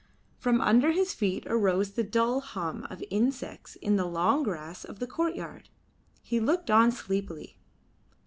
From under his feet arose the dull hum of insects in the long grass of the courtyard. He looked on sleepily.